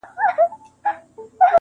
ته یې کاږه زموږ لپاره خدای عادل دی.